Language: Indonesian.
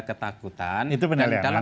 ketakutan dan dalam tanda